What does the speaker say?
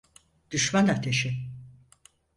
Düşman ateşi!